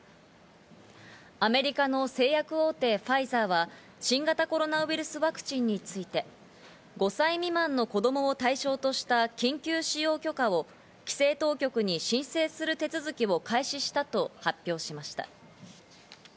アメリカの製薬大手ファイザーは、新型コロナウイルスワクチンについて、５歳未満の子供を対象とした緊急使用許可を規制当局に申請する手続きを開始したと発表しました。